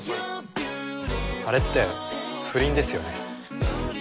あれって不倫ですよね